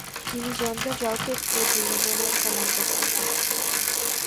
Дивизиондо жалпы экиге бөлүнгөн он команда болгон.